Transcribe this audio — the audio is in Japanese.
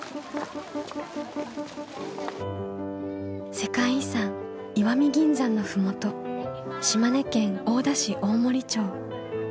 世界遺産石見銀山の麓島根県大田市大森町。